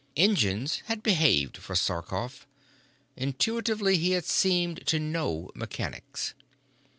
Engines had behaved for Sarkoff. Intuitively he had seemed to know mechanics.